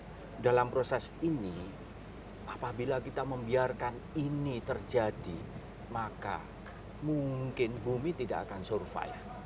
nah dalam proses ini apabila kita membiarkan ini terjadi maka mungkin bumi tidak akan survive